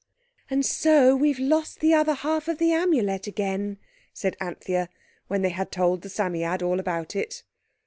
"And so we've lost the other half of the Amulet again," said Anthea, when they had told the Psammead all about it.